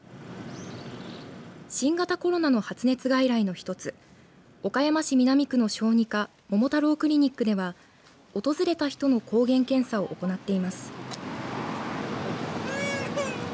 新型コロナの発熱外来の１つ、岡山市南区の小児科、ももたろうクリニックでは訪れた人の抗原検査を行っています。